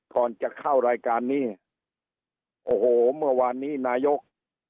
ก่อนจะเข้ารายการนี้โอ้โหเมื่อวานนี้นายก